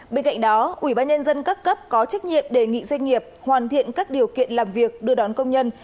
bên cạnh đó ubnd các cấp có trách nhiệm đề nghị doanh nghiệp hoàn thiện các điều kiện làm việc đưa đón công nhân